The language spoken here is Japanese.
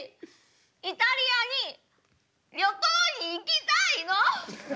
イタリアに旅行に行きたいの！